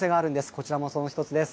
こちらもその１つです。